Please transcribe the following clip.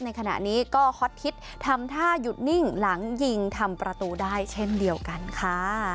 ในขณะนี้ก็ฮอตฮิตทำท่าหยุดนิ่งหลังยิงทำประตูได้เช่นเดียวกันค่ะ